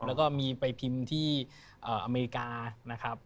แล้วก็มีไปพิมพ์ที่อเมริกานะครับ